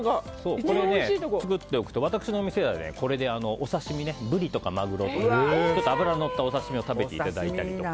これを作っておくと私の店ではこれでお刺し身、ブリとかマグロちょっと脂ののったお刺し身を食べていただいたりとか。